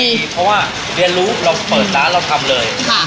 เพราะว่าเรียนรู้เราเปิดร้านเราทำเลย